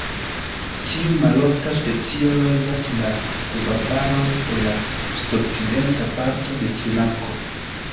Tiu malofta specio loĝas la pluvarbaroj de la sudokcidenta parto de Srilanko.